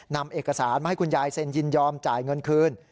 นำเอกสารมาให้คุณยายเซ็นยินยอมจ่ายเงินคืน